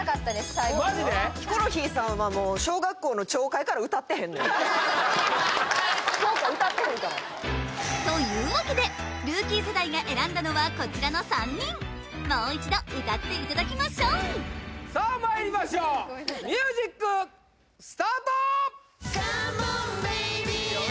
最後ヒコロヒーさんはもう校歌歌ってへんからというわけでルーキー世代が選んだのはこちらの３人もう一度歌っていただきましょうさあまいりましょうミュージックスタート！